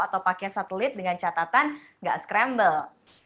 atau pakai satelit dengan catatan gak scramble